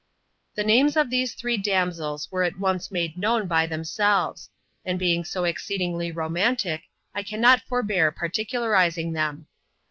The names of these three damsels were at once made known by themselves; and being so exceedingly romantic, I cannot forbear particularizing them.